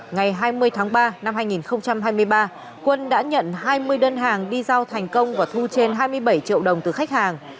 ngày hai mươi tháng ba năm hai nghìn hai mươi ba quân đã nhận hai mươi đơn hàng đi giao thành công và thu trên hai mươi bảy triệu đồng từ khách hàng